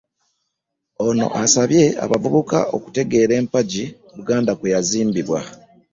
Ono asabye abavubuka okutegeera empagi Buganda kw'eyazimbirwa